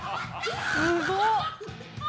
すごっ！